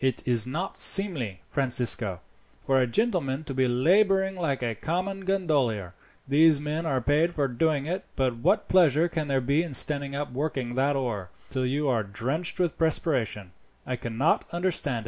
"It is not seemly, Francisco, for a gentleman to be labouring like a common gondolier. These men are paid for doing it; but what pleasure there can be in standing up working that oar, till you are drenched with perspiration, I cannot understand.